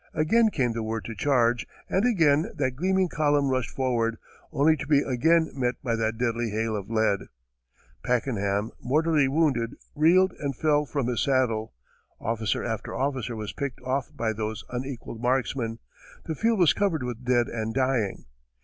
Again came the word to charge, and again that gleaming column rushed forward, only to be again met by that deadly hail of lead. Pakenham, mortally wounded, reeled and fell from his saddle, officer after officer was picked off by those unequalled marksmen, the field was covered with dead and dying.